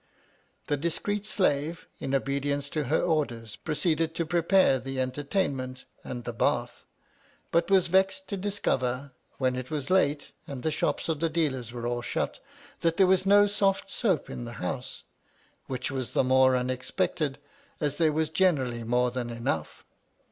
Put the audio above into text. The discreet slave, in obedience to her orders, proceeded to prepare the entertain ment and the bath ; but was vexed to dis cover, when it was late and the shops of the dealers were all shut, that there was no soft soap in the House — which was the more extraordinary pertinacity, care always to approach unexpected, as there was generally more than enough.